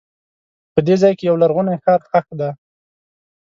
په دې ځای کې یو لرغونی ښار ښخ دی.